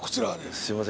すいません。